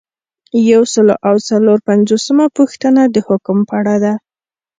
یو سل او څلور پنځوسمه پوښتنه د حکم په اړه ده.